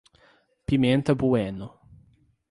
Pimenta Bueno